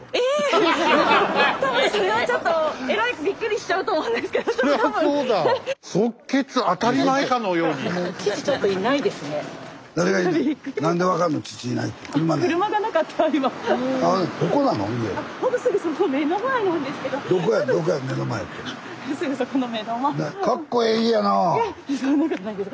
いやそんなことないです。